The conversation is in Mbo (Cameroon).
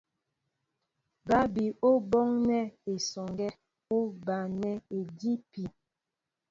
Bǎ bi ú bonɛ esɔŋgɛ ú báŋɛ́ idipi.